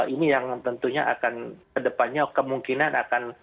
ini yang tentunya akan kedepannya kemungkinan akan